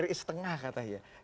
ri setengah katanya